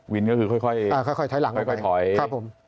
วินก็คือค่อยเอ่อค่อยถอยหลังออกไปค่อยถอยครับผม